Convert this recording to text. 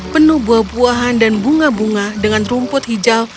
penuh buah buahan dan bunga bunga dengan rumput hijau